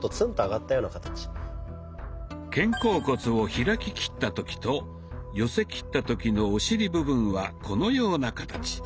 肩甲骨を開ききった時と寄せきった時のお尻部分はこのような形。